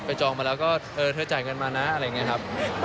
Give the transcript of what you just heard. จองมาแล้วก็เธอจ่ายเงินมานะอะไรอย่างนี้ครับ